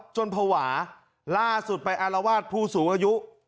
จนผวาล่าสุดไปอารวาศภูศูอายุ